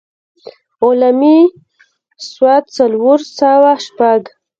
علّامي ص څلور سوه شپږ.